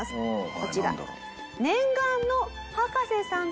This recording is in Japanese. こちら。